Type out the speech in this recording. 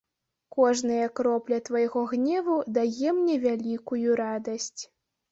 Кожная кропля твайго гневу дае мне вялікую радасць.